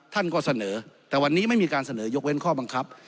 ท่านก็เสนอแต่วันนี้ไม่มีการเสนอยกเว้นข้อบังคับ